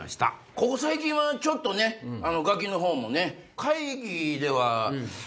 ここ最近はちょっとね『ガキ』の方もね。